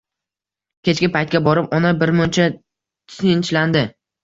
Kechki paytga borib ona birmuncha tinchlandi